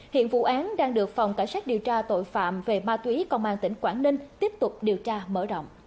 hiện vụ án đang được phòng cảnh sát điều tra tội phạm về ma túy công an tỉnh quảng ninh tiếp tục điều tra mở rộng